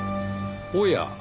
おや。